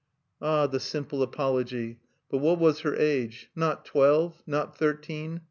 Ah! the simple apology!... But what was her age? Not twelve? not thirteen?